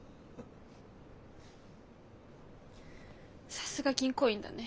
さすが銀行員だね。